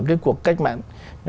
cái cuộc cách mạnh